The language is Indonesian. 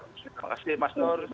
terima kasih mas nur